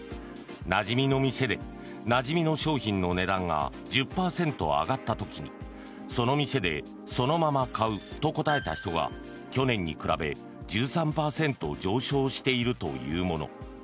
なじみの店でなじみの商品の値段が１０％上がった時に、その店でそのまま買うと答えた人が去年に比べ１３％上昇しているというもの。